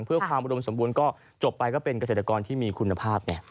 เพื่อความอุดมสมบูรณ์ก็จบไปก็เป็นเกษตรกรที่มีคุณภาพไง